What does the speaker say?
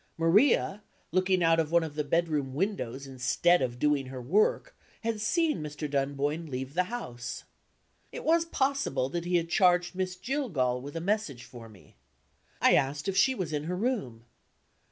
Maria, looking out of one of the bedroom windows instead of doing her work, had seen Mr. Dunboyne leave the house. It was possible that he had charged Miss Jillgall with a message for me. I asked if she was in her room.